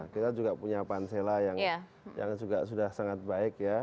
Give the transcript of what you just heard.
kita juga punya pansela yang juga sudah sangat baik ya